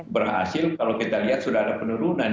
berhasil kalau kita lihat sudah ada penurunan